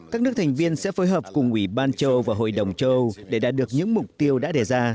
các nước thành viên sẽ phối hợp cùng ủy ban châu và hội đồng châu âu để đạt được những mục tiêu đã đề ra